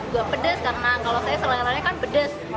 gak pedes karena kalau saya seleranya kan pedes